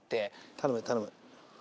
頼む頼む。